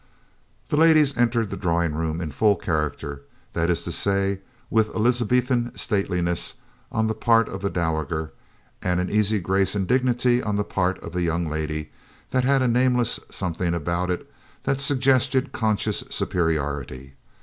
The ladies entered the drawing room in full character; that is to say, with Elizabethan stateliness on the part of the dowager, and an easy grace and dignity on the part of the young lady that had a nameless something about it that suggested conscious superiority.